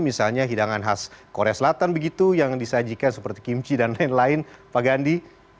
misalnya hidangan khas korea selatan begitu yang disajikan seperti kimchi dan lain lain pak gandhi